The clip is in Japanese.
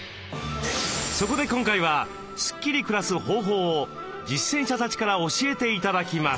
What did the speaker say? そこで今回はスッキリ暮らす方法を実践者たちから教えて頂きます。